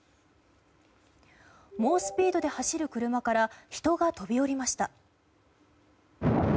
猛スピードで走る車から人が飛び降りました。